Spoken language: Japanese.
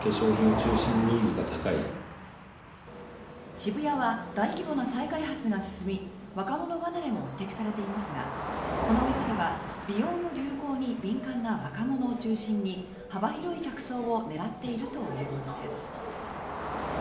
渋谷は大規模な再開発が進み若者離れも指摘されていますがこの店では美容の流行に敏感な若者を中心に幅広い客層を狙っているということです。